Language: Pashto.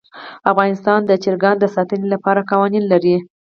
افغانستان د چرګان د ساتنې لپاره قوانین لري.